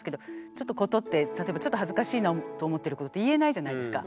ちょっとことって例えばちょっと恥ずかしいなと思ってることって言えないじゃないですか。